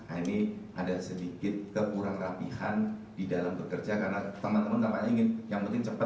ini ada sedikit kekurang rapihan di dalam bekerja karena teman teman ingin yang penting cepat